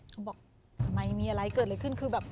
ทำไมมีอะไรเกิดเลยขึ้น